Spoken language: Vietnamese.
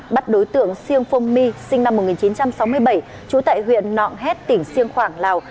bắt đối tượng siêng phong my sinh năm một nghìn chín trăm sáu mươi bảy trú tại huyện nọng hét tỉnh siêng khoảng lào